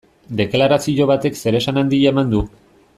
Deklarazio batek zeresan handia eman du.